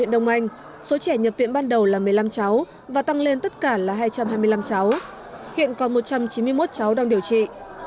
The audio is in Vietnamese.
viện đông anh số trẻ nhập viện ban đầu là một mươi năm cháu và tăng lên tất cả là hai trăm hai mươi năm cháu hiện còn một trăm chín mươi một cháu đang điều trị